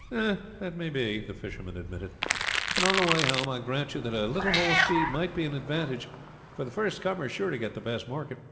"Ay, that may be," the fisherman admitted; "and on the way home I grant you that a little more speed might be an advantage, for the first comer is sure to get the best market.